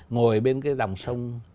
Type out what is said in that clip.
ngồi bên cái dòng sông